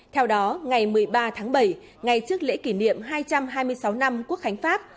theo đó ngày một mươi ba tháng bảy ngay trước lễ kỷ niệm hai trăm hai mươi sáu năm quốc khánh pháp